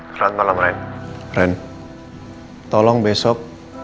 selamat malam bole hei ren tolong demonstrate